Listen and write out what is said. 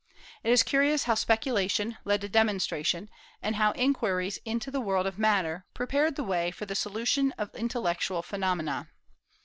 It is curious how speculation led to demonstration, and how inquiries into the world of matter prepared the way for the solution of intellectual phenomena.